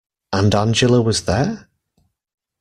And Angela was there?